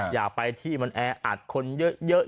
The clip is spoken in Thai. อย่าไปที่มันแออัดคนเยอะ